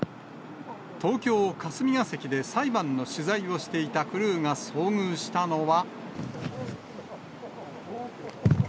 東京・霞が関で裁判の取材をしていたクルーが遭遇したのは。